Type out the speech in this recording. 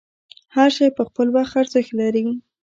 هر شی په خپل وخت ارزښت لري.